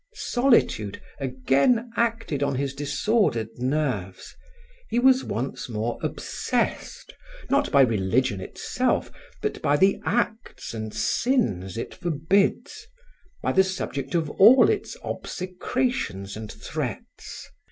Solitude again acted on his disordered nerves; he was once more obsessed, not by religion itself, but by the acts and sins it forbids, by the subject of all its obsecrations and threats.